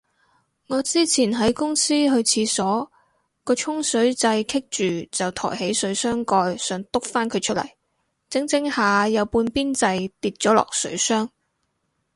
我之前喺公司去廁所，個沖水掣棘住就抬起水箱蓋想篤返佢出嚟，整整下有半邊掣跌咗落水箱